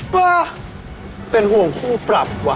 ว่าเป็นห่วงคู่ปรับว่ะ